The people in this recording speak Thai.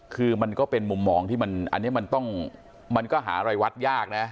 คือมันก็เป็นมุมมองที่มันอันนี้มันต้องมันก็หารายวัดยากนะ